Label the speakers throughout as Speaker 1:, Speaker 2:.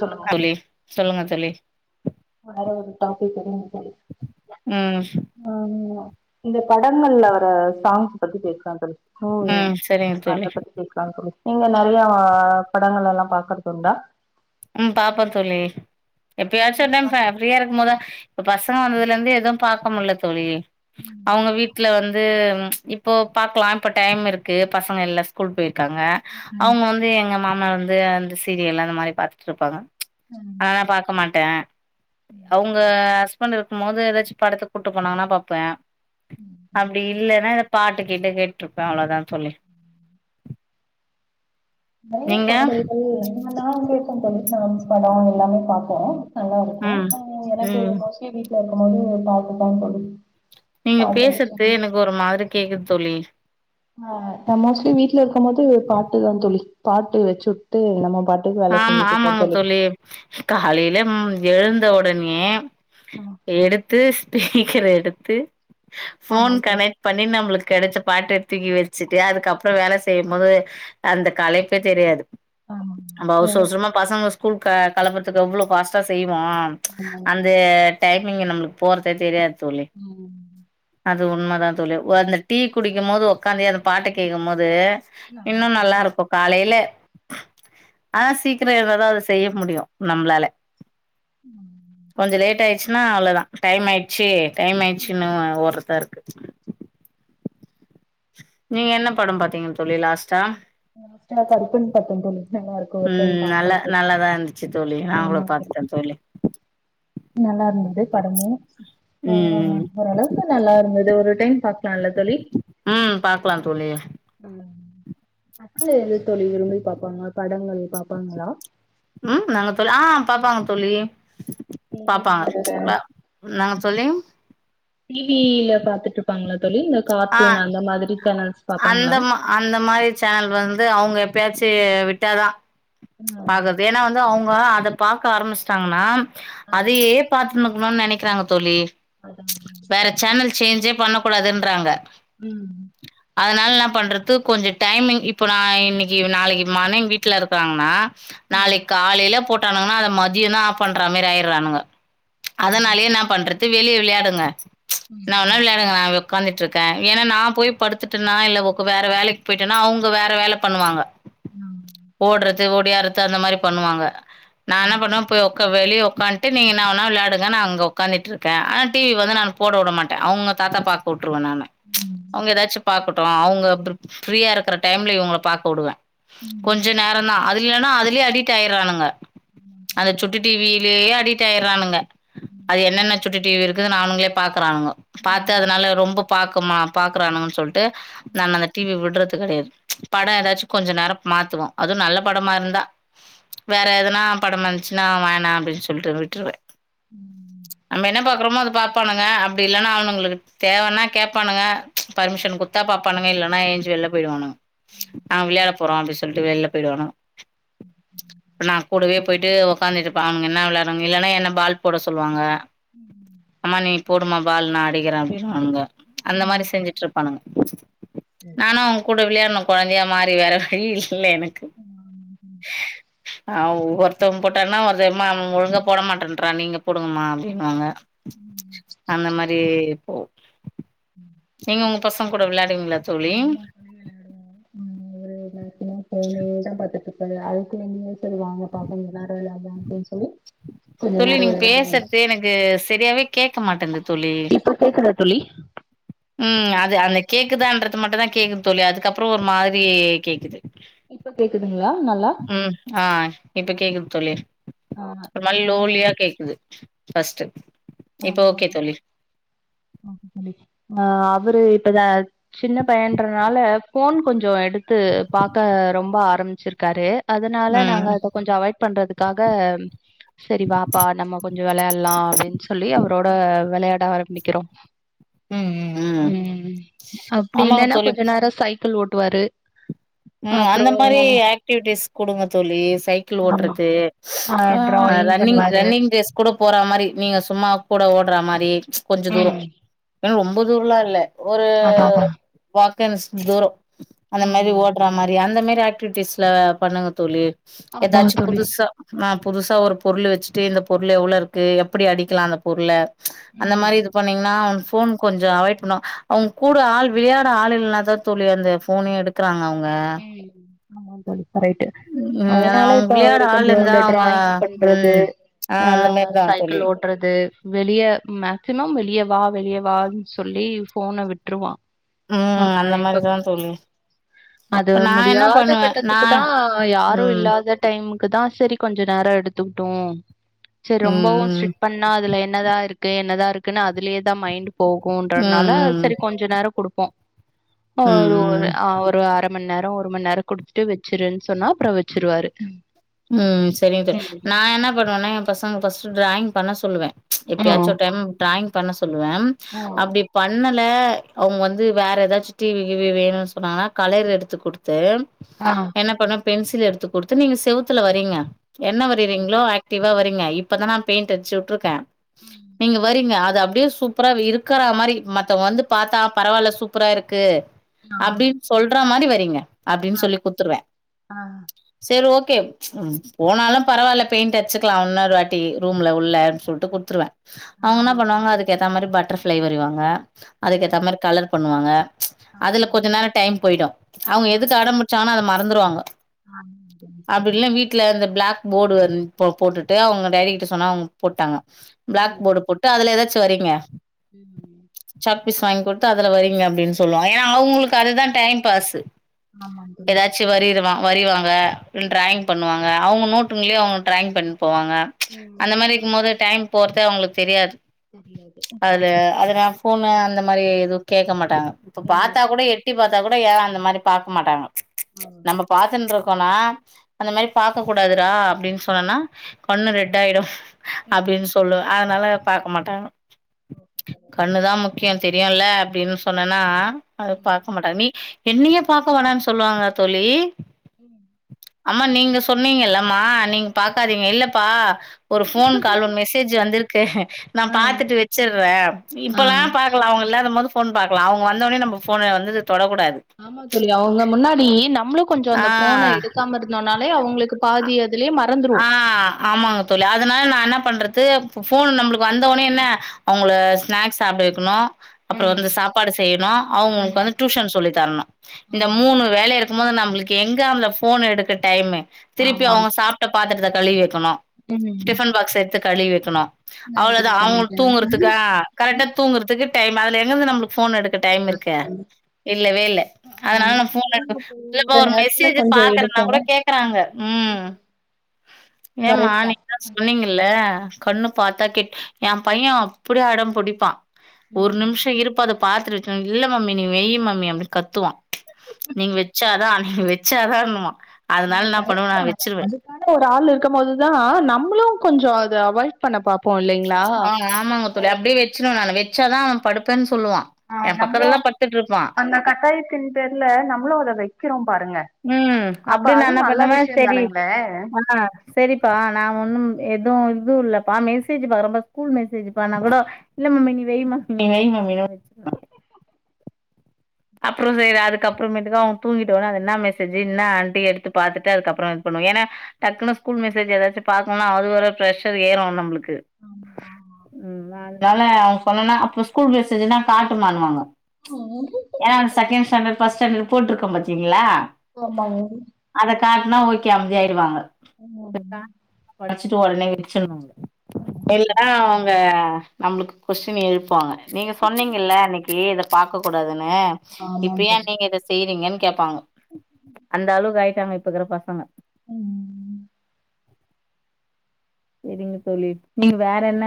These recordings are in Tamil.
Speaker 1: சொல்லுங்க
Speaker 2: தோழி சொல்லுங்க தோழி
Speaker 1: வேற ஒரு டாபிக் எ போது
Speaker 2: ம்
Speaker 1: ஆ [unintelligible] இந்த படங்கள்ல வர சாங்ஸ் பத்தி பேஸ்லாம் சேர் ரி யூனியன்
Speaker 2: ம் சரிங்க தோழி
Speaker 1: அத பத்தி பேஸ்லானு சொல்லு நீங்க நெறயா படங்கள் எல்லாம் பாக்றது உண்டா
Speaker 2: ம் பாப்பன் தோழி எப்பயாச்சும்
Speaker 1: ரீசென்ட்டா
Speaker 2: தான்பா ஃப்ரீயா இருக்கும் போதான் இப்ப பசங்க வந்ததுல இருந்து எதுவும் பாக்க முட்ல தோழி அவுங்க வீட்ல வந் வந்து இப்போ பாக்குலாம் இப்ப டைம் இருக்கு பசங்க எல்லாம் ஸ்கூல் போயி இருக்காங்க அவுங்க வந்து எங்க மா நா வந்து அந்த சீரியல் அந்த மாரி பாத்து இருப்பாங்க அன நா பாக்க மாட்டேன் அவுங்க உக்காந்து இருக்கும்போது எதாச்சும் படத்க் கூட்டு போனாங்கன்ன பாப்பேன் அப்டி இல்லைன்னா பாட்டு கீட்டு கேட்டு இருப்பே அவ்ளோதா தோழி
Speaker 1: நெறைய
Speaker 2: நீங்க
Speaker 1: கொழந்தைகள் என்ன தா கேகன்னு சொல்லிட்டு நா படம் எல்லாமே பாப்போ நல்லாருக்கு
Speaker 2: ம்
Speaker 1: எனக்கு
Speaker 2: ம்
Speaker 1: மோஸ்லி வீட்ல தா அவுங்களே பாத்துப்பாங்க தோழி
Speaker 2: நீங்க
Speaker 1: பாட்டு
Speaker 2: பேசுர்து
Speaker 1: வச்சுட்டு
Speaker 2: எனக்கு ஒரு மாரி கேக்குது தோழி
Speaker 1: ஆஹ் ந மோஸ்ட்லி வீட்ல இருக்கும் போது பாட்டுதா தோழி பாட்டு வெச்சு வுட்டு நம்ம பாட்டுக்கு
Speaker 2: அ
Speaker 1: வேல செஞ்சுட்டு இருப்போ
Speaker 2: ஆமாங்க தோழி காலையில எழுந்த ஒடனே
Speaker 1: ஆ
Speaker 2: எடுத்து ஸ்பீக்கர் எடுத்து ஃபோன்
Speaker 1: ஆமாங் தோழி
Speaker 2: கனெக்ட் பண்ணி நம்ளுக்கு கெடச்ச பாட்டு தூக்கி வெச்சுட்டு அதுக்கப்புறோ வேல செய்யும்போது அந்த கலைப்பே தெரியாது
Speaker 1: ஆமா
Speaker 2: நம்ப அவ்சர அவ்சரம்மா பசங்க ஸ்கூல் கலப்புறதுக்கு எவ்ளோ பாஸ்ட்டா செய்ய மா
Speaker 1: ஆமாங்
Speaker 2: அந்த
Speaker 1: தோழி
Speaker 2: டைம் நீங்க நம்ளுக்கு போறதே தெரியாது தோழி
Speaker 1: ம்
Speaker 2: அது உண்ம தா தோழி அந்த டீ குடிக்கும் போது உக்காந்து அந்த பாட்ட கேட்கும் போது இன்னு நல்லா
Speaker 1: நல்லாருக்குல்ல
Speaker 2: இருக்கு காலையில ஆனா சீக்கிரம் எழுந்தாதா அத செய்ய முடியும் நம்மளால
Speaker 1: உம்
Speaker 2: னா அவ்ளோதா டைம் ஆய்டுச்சு டைம் ஆய்டுச்சுன்னு ஓட்ரதா இரு [inaudible] நீங்க என்ன படம் பாத்தீங்கன்னு தோழி லாஸ்டா
Speaker 1: கருப்புன்னு பாத்தேன் தோழி நல்லா இருக்கு ஒரு டைம்
Speaker 2: ம் நல்ல
Speaker 1: பாக்கலாம் தோழி
Speaker 2: நல்லாதான் இருந்துச்சு தோழி நான் கூட
Speaker 1: ஆமா தோழி
Speaker 2: பாத்துட்டேன்
Speaker 1: நல்லா இருந்தது படமும் ஆஹ்
Speaker 2: ம்
Speaker 1: ஓரளவுக்கு நல்லா இருந்துது ஒரு டைம் பாக்கலால்ல தோழி
Speaker 2: உம் பாக்கலா தோழி
Speaker 1: ம் பசங்க எது தோழி விரும்பி பாப்பாங்க படங்கள் பாப்பாங்களா
Speaker 2: உம் நாங்க தோழி ஆஹ் பாப்பாங்க தோழி பாப்பாங்க நா நாங்க சொல்லி
Speaker 1: டிவில பாத்துட்ருப்பாங்களா தோழி இந்த
Speaker 2: ஆ
Speaker 1: கார்ட்டூன் அந்த மாதிரி சேனல்ஸ்
Speaker 2: அந்த
Speaker 1: பாப்பாங்களா
Speaker 2: மா அந்த மாரி சேனல் வந்து அவுங்க பேச்சு விட்டாதா
Speaker 1: ம்
Speaker 2: பாக்கறது ஏன்னா வந்து அவுங் அத பாக்க ஆரம்பிச்சுட்டாங்கன்னா
Speaker 1: ஆ
Speaker 2: அதையே பாத்து னு நனைகிறாங்க தோழி
Speaker 1: அதான் அதான்
Speaker 2: வேற சேனல் சேஞ்சே பண்ணக்கூடாதுன்றாங்க
Speaker 1: ம்
Speaker 2: அதனால என்ன பண்றது கொஞ்சோ டைமிங் இப்போ நா இன்னைக்கி நாளைக்கு மார்னிங் வீட்ல இருக்குறாங்கன்னா
Speaker 1: ம்
Speaker 2: நாளைக்கு காலையில போட் ஆனாங்கனா அத மதியோ தா ஆஃப் பண்றா மேரி ஆயிட்றானுங்க
Speaker 1: ஆ
Speaker 2: அதனாலயே என்னா பண்றது வெளிய விளையாடுங்க
Speaker 1: ம்
Speaker 2: நா ஒன்னா
Speaker 1: ம்
Speaker 2: விளையாடுங்க நா உக்காந்துட்ருக் இருக்கேன் ஏன்னா நா போய் படுத்துட்டேன்னா இல்ல வேற வேலைக்கு போயிட்டன்னா அவங்க வேற வேல பண்ணுவாங்க
Speaker 1: ம்
Speaker 2: ஓட்றது ஓடியாறது அந்த மாரி பண்ணுவாங்க நா
Speaker 1: ம் ம்
Speaker 2: என்ன பண்ணுவேன் போய் வெளிய உக்காந்துட்டு நீங்க நா வேனா விளையாடுங்க நா அங்க உக்காந்துட்ருக்கேன் ஆனா டிவி வந்து நா போட உட மாட்டேன் அவுங்க தாத்தா பாக்க உட்ருவேன் நான்
Speaker 1: ம்,
Speaker 2: அவுங்க ஏதாச்சும் பாக்கட் அவுங்க அப்ப ஃப்ரீயா இருக்கற டைம்ல இவுங்கள பாக்க உடுவேன்
Speaker 1: ம்,
Speaker 2: கொஞ்ச நேரோ தா அதுல இல்லன்னா அதுலயே அடிட் ஆயிட்றானுங்க அந்த சுட்டி டிவிலியே அடிட் தேரானுங்க அது என்னென்ன சுட்டி டிவி இருக்குது அவனுங்களே பாக்கறாங்க பாத்து
Speaker 1: ம்,
Speaker 2: அதனால ரொம்ப பக்கமா பாக்கறானுங்கன் சொல்ட்டு டு
Speaker 1: ம்,
Speaker 2: நான் அந்த டிவி விட்றது கெடயாது படோ ஏதாச்சும் கொஞ்ச நேரம் மாத் வோ அதும் நல்ல படமா இருந்தா வேற எதனா படமாந்துச்சுனா வேணா அப்படின் சொல்ட்டு விட்ருவே நம்ம என்ன பாக்குறமோ அத பாக் பண்ணுங்க அப்டி இல்லனா அவனுகளுக்கு தேவனா கேப்பானுங்க பர்மிஷன் குடுத்தா பாப்பானங்க இல்லனா எந்ச்சி வெள்ல போயிடுவானுங்க நா விளையாட போறோ அப்படி சொல்ட்டு வெளில போயிடுவானுங்க நா கூடவே போயிட்டு உக்காந்துட்ருப்ப அவுனுங்க என்ன வெளயாடுறாங்க இல்லனா என்ன பால் போட சொல்வாங்க அம்மா நீ போடுமா பால் நா அடிக்கறே அப்டின்வானுங்க அந்த மாரி
Speaker 1: ம்.
Speaker 2: செஞ்சுட்ருப்பாணுங்க
Speaker 1: சரி
Speaker 2: நானு அவங்க கூட விளையாட்ணு கொழந்தையா மாறி வேற வழியில்ல இல்ல எனக்கு ஒவ்வொருத்த ஒருத்தவ போட்டானா ஒருத்தன் எம்மா அவன் ஒழுங்கா போட மாட்டன்றா நீங்க போடுங்கமா அப்டினுவாங்க அந்த மாரி போகு நீங்க உங்க பசங்க கூட விளையாடுவீங்ளா தோழி
Speaker 1: ஆமா தோழி விளையாடுவோம் முடிஞ்ச பாத்துட்ருப்பாரு அதுக்குலமே சரி வாங்க [unintelligible] அப்டின்னு சொல்லி கொஞ்ச
Speaker 2: தோழி
Speaker 1: நேரோ
Speaker 2: நீங்க
Speaker 1: விளையாடுவாரு
Speaker 2: பேசறது எனக்கு செரியாவே கே க்க மாட்டன்து தோழி
Speaker 1: இப்ப கேக்குதா தோழி
Speaker 2: ம் அது அத கேக் கேக்குதான்றது மட்டு தா கேக்குது தோழி அதுக்கப்ற ஒரு மாரி கேக்குது
Speaker 1: இப்ப கேக்குதுங்ளா நல்லா
Speaker 2: ம் ஆ இப்ப கேக்குது தோழி
Speaker 1: ஆ ஆ
Speaker 2: [unintelligible] லோலியா கேக்குது ஃபஸ்ட்
Speaker 1: ஆ ஆ தோழி ஆ அவரு இப்பத சின்ன பயன்றனால ஃபோன் கொஞ்ச சோ எடுத்து பாக்க ரொம்ப ஆர் ஆரம்ச்சிருக்காரு அதனால நாங்க
Speaker 2: ம்
Speaker 1: அத கொஞ்ச அவாய்ட் பண்றதுக்காக செரி வாப்பா நம்ம கொஞ்ச வெளயாட்லா அப்டி சொல்லி அவரோட வெளயாட ஆரம்பிக்கிறோ
Speaker 2: ம் ம் ம் ஆமாங்க தோழி
Speaker 1: கள் ஓட்டுவாரு
Speaker 2: ம் அந்த
Speaker 1: அப்புறம்
Speaker 2: மாரி ஆக்டிவிட்டிஸ் குடுங்க தோழி சைக்கிள்
Speaker 1: ஆமா.
Speaker 2: ஓட்றது
Speaker 1: அ
Speaker 2: ஆ
Speaker 1: டிராயிங்
Speaker 2: ரன்னிங்
Speaker 1: பண்ணுவாரு.
Speaker 2: ரன்னிங் ரேஸ் கூட போற மாரி நீங்க சும்மா கூட ஓட்ற மாரி கொஞ்ச தூரம்
Speaker 1: ம்.
Speaker 2: ஏன்னா ரொம்ப தூரலா இல்லே ஒரு
Speaker 1: அதான் அதான்.
Speaker 2: செகன்ஸ் தூரம் அந்த மாதிரி
Speaker 1: ம்.
Speaker 2: ஒட் சரி அந்த மாதிரி ஆக்டிவிட்டிஸ்லே பண்ணுங்க தோழி
Speaker 1: ஆமாங்க
Speaker 2: ஏதாச்சு
Speaker 1: தோழி.
Speaker 2: புதுசா ஆ புதுசா ஒரு பொருள் வச்சுட்டு இந்த பொருள் எவ்ளோ இருக்கு எப்புடி அடிக்கலாம் அந்த பொருளே அந்த
Speaker 1: ம்.
Speaker 2: மாதிரி இது பண்ணீங்ன்னா போன் கொஞ்ச அவாய்ட் பண்ணுவா அவங்க கூட ஆள் விளையாட ஆள் இல்லேனதான் தோழி அந்த போன எடுக்கறாங்க அவங்
Speaker 1: உம் ஆமா தோழி [unintelligible] ரைட்டு
Speaker 2: ம்
Speaker 1: அதனால
Speaker 2: அவங்க
Speaker 1: இப்ப
Speaker 2: விளையாட
Speaker 1: அவரு
Speaker 2: ஆள்
Speaker 1: கொஞ்ச
Speaker 2: இருந்தா அவங்க
Speaker 1: டிராயிங் பண்றது
Speaker 2: ம் ஆ அந்த
Speaker 1: அஹ்
Speaker 2: மாரிதா தோழி
Speaker 1: சைக்கிள் ஓட்டுறது வெளியே மேக்சிமம் வெளியே வாக் வெளியேவா ன்னு சொல்லி போனே விட்டுருவான்
Speaker 2: உம் அந்த மாதிரிதான் தோழி
Speaker 1: த
Speaker 2: இப்ப நா என்ன
Speaker 1: முடியாத
Speaker 2: பண்ணுவே நா
Speaker 1: கட்டத்துக்கு தான் யாரும்
Speaker 2: ம்
Speaker 1: இல்லாத டைம் நமக்கு தான் சரி கொஞ்ச நேரம் எடுத்துக்கிட்டூம் சேரி ரொம்பவும்
Speaker 2: ம்
Speaker 1: ஸ்ட்ரிக்ட் பண்ணா அதுல எ என்னதா இருக்கு என்னதா இருக்குன்னு அதுலேயே தான் மைண்ட்
Speaker 2: ம் ம்
Speaker 1: போகுன்றதனாலே
Speaker 2: ம் ம்
Speaker 1: செரி கொஞ்ச நேரம் கொடுப் ப ஒரு
Speaker 2: ம் ம்
Speaker 1: ஒரு ஆ ஒரு அர அரை மணி நேரம் ஒரு மணிநேரம் குடுத்துட்டு வச்சிருன்னு சொன்னா அப்புறோம் வச்சிருவாரு
Speaker 2: ம் சரிங்க தோ
Speaker 1: ம்
Speaker 2: நா என்ன பண்ணுவேன்னா எ பசங்க பஸ் ட்ராயிங் பண்ண சொல்லுவேன எப்பயாச்சும்
Speaker 1: ம்
Speaker 2: ஒரு டைம் ட்ராயிங் பண்ண சொ சொல்லுவேன் அப்டி பண்ண இல்லே அவங்க வந்து வேற ஏதாச்சு டிவி கிவி வேணுன்னு சொன்னாங்கனா கலர் எடுத்து குடுத்து
Speaker 1: ஆ ஆ
Speaker 2: என்ன பண்ண பென்சில் எடுத்து குடுத்து நீங்க செவுத் த்துல வரைங்க என்ன
Speaker 1: ம்
Speaker 2: வரிறீங்களோ அக்டிவா வரி ங இப்பதா நா பெயிண்ட் அடிச்சு வுட்ருக்க
Speaker 1: ம்
Speaker 2: நீங்க வரீங்க அ அது அப்டியே சூப்பரா இருக்கற மாரி மத்தவங்க வந்து பாத்தா பரவால்ல சூப்பரா இருக்கு
Speaker 1: ஆ
Speaker 2: அப்டின் சொல்ற மாரி வரீங்க அப்டின்
Speaker 1: ஆ
Speaker 2: சொல்லி குத்துருவ
Speaker 1: ஆ
Speaker 2: சரி ஓக் கேம் ப்ச் ம் போனாலு பரவால்ல பெயிண்ட் அட்ச்சுக்கலா இன்னொரு வாட்டி ரூம்ல உள்ள சொல்ட்டு குட்த்துருவ
Speaker 1: ஆ
Speaker 2: அவுங்க என்ன பண்ணுவாங்க அதுக்கேத் த மாரி பட்டர்ஃப்ளை வரைவாங்க அதுக்கேத்த மாரி கலர் பண் பண்ணுவாங்க
Speaker 1: ஆ ஆ
Speaker 2: அதுல கொஞ்ச நேரோ டைம் போயிடு அவுங்க எதுக்கு அடம்பு டிச்சானா அத ம மறந்துருவாங்க
Speaker 1: ஆ [unintelligible]
Speaker 2: அப்டி வீட்ல அந்த பிளாக் போடு வந்து போட்டுட்டு அவுங்க டாடி கிட்ட சொன்ன அவங்க போட்டாங்க பிளாக்
Speaker 1: ம்
Speaker 2: போர்டு போட்டு அதுல ஏதாச்சு சு வரீங்க
Speaker 1: ம்
Speaker 2: பீஸ் வாங்கி குடுத்து அதுல வரீங்க அப்டின் சொல்லுவாங்க ஏனா அவுங்களுக்கு அதுதா டைம் பாஸ்
Speaker 1: ஆமாங் தோழி
Speaker 2: ஏதாச்சு வரயிருவா வரிவாங்க டிராயிங் பண்ணுவாங்கஅவுங்க நோட்டுங்களே அவுங்க டிராயிங் ப போவாங்க
Speaker 1: ம்
Speaker 2: அந்த மாரி இருக்கும் போது டைம் போறத்தே அவங்களுக்கு தெரியாது
Speaker 1: தெரியாது
Speaker 2: அதுல அதுன போனு அந்த மாரி எதுவும் கேட்க மாட்டாங்க இப்ப பாத்தா
Speaker 1: ம்
Speaker 2: கூட எட்டி பாத்த குடுத்தா கூட ஏன் அந்த மாரி பாக்க மாட்டாங்க
Speaker 1: ஆ
Speaker 2: நம்ம பாத்துன்றோ போனா அந்த மாரி பாக்க கூடாதுரா அப்டின்னு சொன்னனா கண்ணு ரெட் ஆயிடும்
Speaker 1: ம்
Speaker 2: அப்டின்னு சொல்லுவ அதனால பாக்க மாட்டாங்க
Speaker 1: ஓகே தோழி.
Speaker 2: கண்ணு தான் முக்கியம் தெரியுல்ல அப்டின்னு சொன்னேன்னா அது
Speaker 1: ம்
Speaker 2: பாக்க மாட்ட நீ என்னய பாக்க வேனனு சொல்லுவாங்களா தோழி
Speaker 1: ம்
Speaker 2: அம்மா நீங்க சொன்னீங்கல்லம்மா நீங்க பாக்காதீங்க இல்லப்பா ஒரு போன் கால் ஒன் மெசேஜ் வந்திருக்கு நான்
Speaker 1: ஆ
Speaker 2: பாத்துட்டு வச்சறேன்
Speaker 1: ஆ.
Speaker 2: போது போன் பார்கலாம் அவங்க வந்தவனே நம் போன வந்து தொடக்கூடாது.
Speaker 1: ஆமா தோழி அவங்க முன்னாடி நம் நம்ளும் கொஞ்சம் அந்த போனை
Speaker 2: ஆ.
Speaker 1: எடுக்காம இருந்தாலும் நாலே அவங்களுக்கு பாதி அதுலயே மறந்துருவோ
Speaker 2: ஆஹ் ஆமாங்க தோழி அதனால நான் னா பண்றது போன் நம்மளுக்கு வந்த உடனே என்ன அவங்கள ஸ்நாக்ஸ் சாப்பிட வெக்கணும் அப்புறம்
Speaker 1: ம்
Speaker 2: வந்து சாப்பாடு செய்யணும் அவங்களுக்கு
Speaker 1: ம்
Speaker 2: வந்து டியூஷன் சொல்லி தரணும் இந்த
Speaker 1: ஆமாமா
Speaker 2: மூணு வேலை இருக்கு இருக்கும் போது நம்மளுக்கு எங்க அந்த போன் எடுக்க டைமு திருப்பி
Speaker 1: ஆமாங்
Speaker 2: அவங்க சாப்பி பாத்திரத்தை கழுவி வெக்கணும்
Speaker 1: ம்
Speaker 2: டிபன் பாக்ஸ் எத்து கழுவி வெக்கணும்
Speaker 1: நைட்டுக்கு
Speaker 2: அவ்வளோதான் அவங்க
Speaker 1: சமைக்கணு
Speaker 2: தூங்குறதுக்க கரெக்டா தூங்குறதுக்கு டைம்அதுல எங்கந்தும்மளுக்கு போன் எடுக்கு டைம் இருக்கு இல்லவே இல்ல அதனால ந போன்
Speaker 1: தூங்க
Speaker 2: எல்லப்பா
Speaker 1: போற
Speaker 2: ஒரு
Speaker 1: நேரத்துல
Speaker 2: மெசேஜ்
Speaker 1: கொஞ்சோ
Speaker 2: பாக்குறனா
Speaker 1: எடுப்போ
Speaker 2: கூட கேக்குறாங்க உம்
Speaker 1: ம்
Speaker 2: ஏமா
Speaker 1: கரெக்ட் தா
Speaker 2: நீதான் சொன்னீங்கல்ல கண்ணு பாத்தா கேட் என் பையன் அப்டியே அடோம் புடிப்பான் ஒரு
Speaker 1: ம்
Speaker 2: நிம்ஷோ இருப்பா இதப் பாத்துட்டு வைக்கனு இல்ல மம்மி நீ வெய்யீ மம்மி அப்டினு கத்துவான் நீ வெச்சாதான் நீ வெச்சாதானுவான் அதனால
Speaker 1: இல்ல
Speaker 2: ன்னா பண்ணுவ
Speaker 1: கரெக்ட்
Speaker 2: நா
Speaker 1: தா
Speaker 2: வெச்சுருவே
Speaker 1: ஒரு ஆள் இருக்கம்போதுதான் நம்ளு கொஞ்சோ அது அவாய்ட் பண்ண பாப்
Speaker 2: ஆஹ் ஆமாங்க தோழி அப்டியே வெச்சிருவன் நானு வே வச்சாதா அவன் படுப்பன்
Speaker 1: ஆஹ் நம்ளும் அந்த கட்டாயத்தின் பேர்ல நம்ளும் அத வெக்கிறோ
Speaker 2: ம் அப்டி நா என்ன பண்ணுவன்
Speaker 1: விஷயோ
Speaker 2: செரி
Speaker 1: தானுங்களே
Speaker 2: அற சரிப்பா நா ஒன்னு எதுவும் இதுவு இல்லப்பா மெசேஜ் பா ரம்ப ஸ்கூல் மெசேஜ் பா நாகூட இல்ல மம்மி நீ வைய் மம்மி நீ வைய் மம்மினு வெச்சிருவான் அப்ரோ சரி அதுக்க அப்புறமேட்டுகா அவன் தூங்கிடோனே அ ம் [unintelligible] அதனால பொனனா அப்ப ஸ்கூல் மிஸ் ன்னா காட்டு மானுவாங்க ஏ செகண்ட் ஸேண்டர்ட் ஃபர்ஸ்ட் ஸேண்டர்ட்னு போட்டுருக்க மாட்டிங்களா
Speaker 1: ஆமாங்க
Speaker 2: காட்னா ஓகே அம்தி ஆயிருவாங்க
Speaker 1: ஆமா மேம்
Speaker 2: வச்சிட்டு ஒடனே இடிச்சிடுவாங்க எல்லா அவங்க நம்ளுக்கு கொஸின எழுப்புவாங்க நீங்க சொன்னீங்கில்ல அன்னிக்கி பாக்க கூடாதுன்னு இப்ப
Speaker 1: ஆமாம்
Speaker 2: ஏ
Speaker 1: தோழி
Speaker 2: நீங்க இத செய்றீங்கன்னு கேப்பாங்க அந்த அளவுக்கு ஆய்ட்டாங்க இப்ப இருக்குற பசங்க
Speaker 1: உம்
Speaker 2: செரிங்க தோழி நீங்க வேறென்ன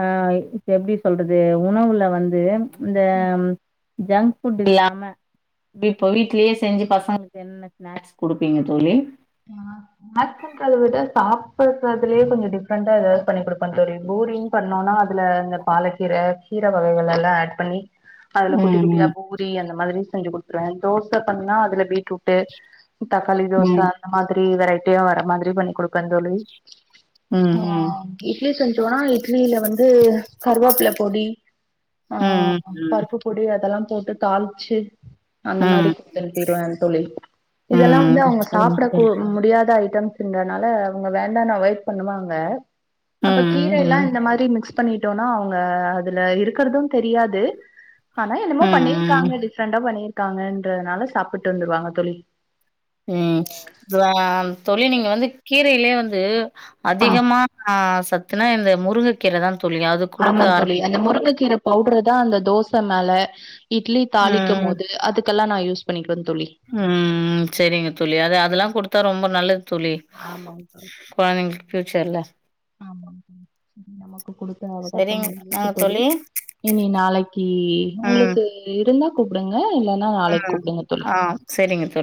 Speaker 2: ஆ இப்ப எப்டி சொல்றது உணவுல வந்து இந்த
Speaker 1: ம்
Speaker 2: ஜங்க் ஃபுட் இல்லாம இப்போ வீட்லயே செஞ்சு பசங்களுக்கு என்ன ஸ்நாக்ஸ் குடுப்பீங்க தோழி
Speaker 1: நா ஸ்நாக்ஸ்ன்றதவிட சாப்புடுறதுலே கொஞ்ஜோ டிஃப்ரெண்டா ஏதாது பண்ணி குடுப்பே தோழி பூரின்னு பண்ணோனா அதுல இந்த பாலக்கீர கீர வகைகள் எல்லா ஆட் பண்ணி அதுல குட்டி குட்டியா
Speaker 2: ம்
Speaker 1: பூரி அந்த மாதிரி செஞ்சு குடுத்துருவே தோச பண்ணா அதுல பீட்ரூட்டு தக்காளி தோச
Speaker 2: ம்
Speaker 1: அப்டி வெரைட்டியா வர மாதிரி பண்ணி குடுப்பே தோழி
Speaker 2: ம்
Speaker 1: ஆஹ் இட்லி செஞ்சோனா இட் வெளில வந்து கருவேப்ல பொடி ஆ
Speaker 2: ம் ம்
Speaker 1: பருப்பு பொடி அதெல்லா போட்டு தால்ச்சு அந்த மாரி
Speaker 2: ம்
Speaker 1: குடுத் அனுப்பிருவே தோழி
Speaker 2: ம் ம்
Speaker 1: இதெல்லா வந்து
Speaker 2: ம்
Speaker 1: அவங்க
Speaker 2: ம்
Speaker 1: சாப்ட முடியாதா இப் ஜம்ஸ்ன்றனால அவங்க வேண்டான்னு அவாய்ட் பண்ணுவாங்க
Speaker 2: ம்
Speaker 1: அப்ப கீரைலா
Speaker 2: ம்
Speaker 1: இந்த மாரி மிக்ஸ் பண்ணிட்டோனா அவங்க அதுல இருக்கறது தெரியாது ஆனா என்னமோ
Speaker 2: ம்
Speaker 1: பண்ணிருக்காங்க டிஃப்ரண்டா பண்ணிர் க்காங்கன்றதுனால சாப்ட்டு வந்துருவாங்க தோழி
Speaker 2: உம் ஆ தோழி நீங்க வந்து கீரைலே வந்து
Speaker 1: ஆ
Speaker 2: அதிகமா சத் துனா இந்த முருங்க கீர தா தோழி அது குடுக்க
Speaker 1: ஆமா தோழி
Speaker 2: ஆரம்பிங்க
Speaker 1: அந்த முருங்கக்கீர பவுடரு தா அந்த தோச மேல இட்லி தாளிக்கும்
Speaker 2: ம்
Speaker 1: போது அதுக்கெல்லா நா யூஸ் பணிக் வந்
Speaker 2: ம் செரிங்க தோழி அத அதெல்லா குடுத் தா ரொம்ப நல்லது தோழி
Speaker 1: ஆமாங்
Speaker 2: கொழந்திங்களுக்கு ப்யூச்சர்ல
Speaker 1: ஆமாங்க்கா நமக்கு குடுத்த அவகாசோ
Speaker 2: செரிங்க
Speaker 1: முடிஞ்சிருச்சி
Speaker 2: நாங்க
Speaker 1: தோழி இனி நாளைக்கி
Speaker 2: ம்
Speaker 1: உங்ளுக்கு இருந் தா கூப்டுங்க இல்லன்னா நாளிக்கு
Speaker 2: ம்
Speaker 1: கூப்டுங்க தோழி
Speaker 2: ஆ செரிங்க தோழி